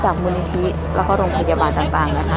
มูลนิธิแล้วก็โรงพยาบาลต่างนะคะ